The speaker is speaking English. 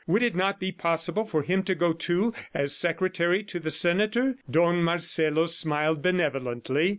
Would it not be possible for him to go, too, as secretary to the senator? ... Don Marcelo smiled benevolently.